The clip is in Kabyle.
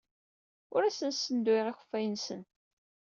Ur asen-ssenduyeɣ akeffay-nsen.